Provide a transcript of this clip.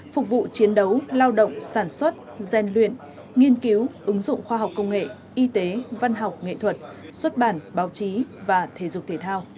phục vụ chiến đấu lao động sản xuất gian luyện nghiên cứu ứng dụng khoa học công nghệ y tế văn học nghệ thuật xuất bản báo chí và thể dục thể thao